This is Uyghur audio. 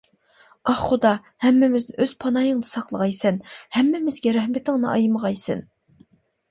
ئاھ خۇدا ھەممىمىزنى ئۆز پاناھىڭدا ساقلىغايسەن، ھەممىمىزگە رەھمىتىڭنى ئايىمىغايسەن.